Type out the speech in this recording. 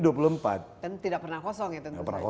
dan tidak pernah kosong ya tentu saja ya